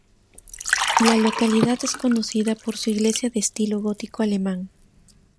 La localidad es conocida por su iglesia de estilo gótico alemán.